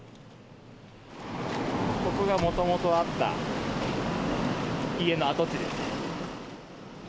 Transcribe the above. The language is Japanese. ここがもともとあった、家の跡地です。